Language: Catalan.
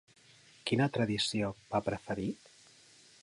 Quina tradició va preferir?